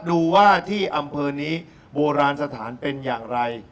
ดูว่าที่อำเภอนี้โบราณสถานเป็นอย่างไร